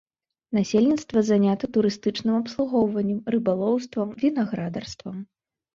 Насельніцтва занята турыстычным абслугоўваннем, рыбалоўствам, вінаградарствам.